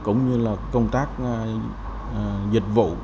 cũng như công tác dịch vụ